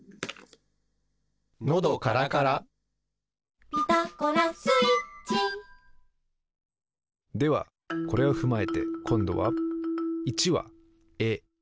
のどからから「ピタゴラスイッチ」ではこれをふまえてこんどは１は「え」